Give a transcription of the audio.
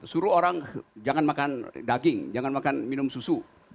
suruh orang jangan makan daging jangan makan minum susu